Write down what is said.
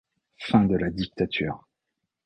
Fin de la dictature.